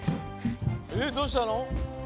えっどうしたの？